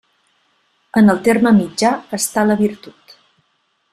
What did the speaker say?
En el terme mitjà està la virtut.